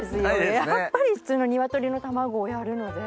やっぱり普通のニワトリの卵をやるので。